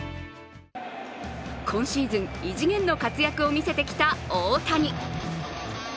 今シーズン異次元の活躍をみせてきた大谷。